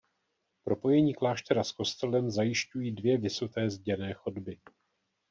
Propojení kláštera s kostelem zajišťují dvě visuté zděné chodby.